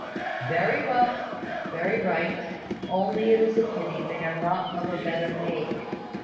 "Very well very right: only it is a pity they are not of a better make.